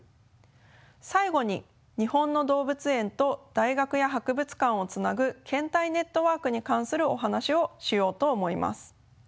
最後に日本の動物園と大学や博物館をつなぐ献体ネットワークに関するお話をしようと思います。